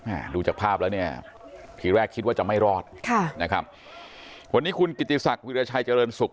ดูจากภาพแล้วเนี่ยทีแรกคิดว่าจะไม่รอดค่ะนะครับวันนี้คุณกิติศักดิราชัยเจริญสุข